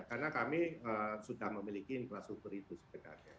karena kami sudah memiliki infrastruktur itu sebenarnya